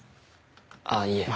あっいえ。